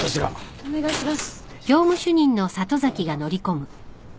お願いします。